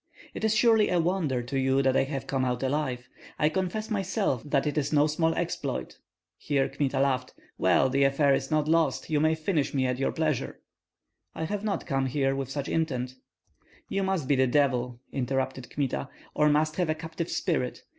"It is surely a wonder to you that I have come out alive. I confess myself that it is no small exploit." Here Kmita laughed. "Well, the affair is not lost. You may finish me at your pleasure." "I have not come with such intent " "You must be the devil," interrupted Kmita, "or must have a captive spirit.